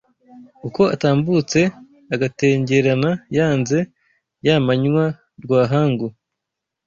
Uko atambutse agatengerana Yanze ya manywa rwahangu